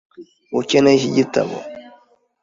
Ukeneye iki gitabo?